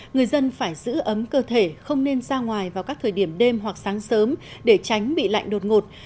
người dân phải giữ ấm cơ thể không nên ra ngoài vào các thời điểm đêm hoặc sáng sớm để tránh bị lạnh đột ngột